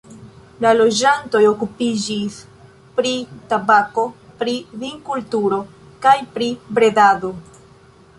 La loĝantoj okupiĝis pri tabako, pri vinkulturo kaj pri bredado.